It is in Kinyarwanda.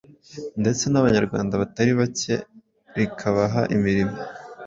ndetse n’Abanyarwanda batari bake rikabaha imirimo.